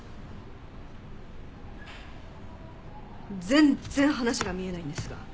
全然話が見えないんですが。